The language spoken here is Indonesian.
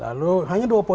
lalu hanya dua poin itu saja